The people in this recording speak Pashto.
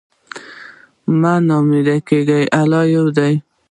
مه نا امیده کېږه، الله لوی دی.